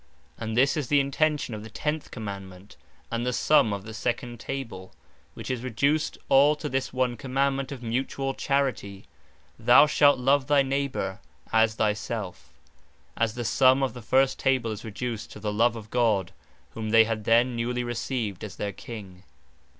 And this is the intention of the tenth Commandement, and the summe of the Second Table; which is reduced all to this one Commandement of mutuall Charity, "Thou shalt love thy neighbour as thy selfe:" as the summe of the first Table is reduced to "the love of God;" whom they had then newly received as their King.